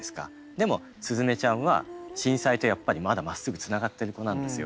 でも鈴芽ちゃんは震災とやっぱりまだまっすぐつながってる子なんですよ。